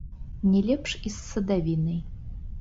Не лепш і з садавінай.